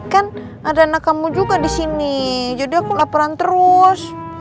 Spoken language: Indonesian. kan ada anak kamu juga di sini jadi aku laporan terus